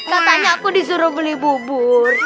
katanya aku disuruh beli bubur